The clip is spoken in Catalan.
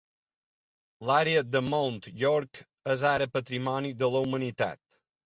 L'àrea del Mount York és ara patrimoni de la humanitat.